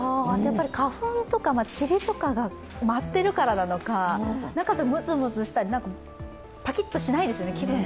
花粉とか、ちりとかが舞ってるからなのか、なんかむずむずしたりぱきっとしないですよね、気分が。